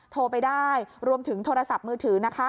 โทรไปได้รวมถึงโทรศัพท์มือถือนะคะ